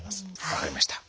分かりました。